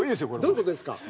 どういう事ですか？